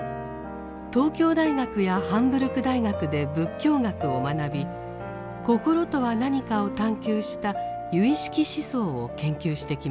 東京大学やハンブルク大学で仏教学を学び心とは何かを探求した唯識思想を研究してきました。